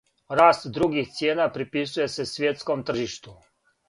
Раст других цијена приписује се свјетском тржишту.